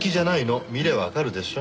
見りゃわかるでしょ。